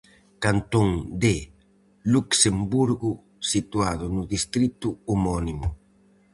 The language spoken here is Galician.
Cantón de Luxemburgo, situado no distrito homónimo.